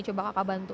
coba kakak bantu